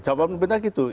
jawaban pemerintah itu